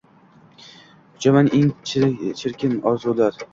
Uchaman eng chirkin orzular